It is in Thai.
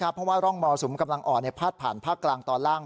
เพราะว่าร่องมรสุมกำลังอ่อนพาดผ่านภาคกลางตอนล่าง